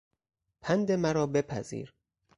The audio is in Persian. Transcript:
پند مرا بپذیر!